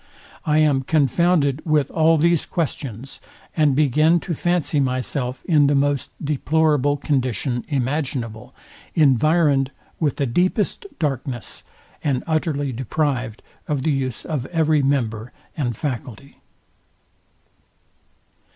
I am confounded with all these questions, and begin to fancy myself in the most deplorable condition imaginable, invironed with the deepest darkness, and utterly deprived of the use of every member and faculty.